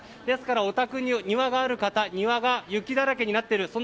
ですからお宅に庭がある方は庭が雪だらけになっている。